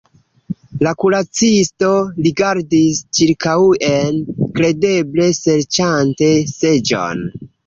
La kuracisto rigardis ĉirkaŭen, kredeble serĉante seĝon.